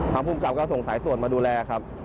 ทางผู้กลับก็ส่งสายสวดมาดูแลครับ